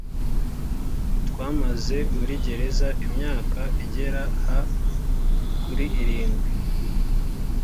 twamaze muri gereza imyaka igera ha kuri irindwi